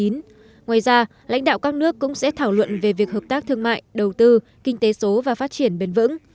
ngoài ra lãnh đạo các nước cũng sẽ thảo luận về việc hợp tác thương mại đầu tư kinh tế số và phát triển bền vững